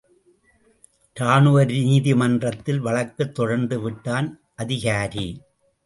ராணுவ நீதி மன்றத்தில் வழக்குத் தொடர்ந்து விட்டான் அதிகாரி.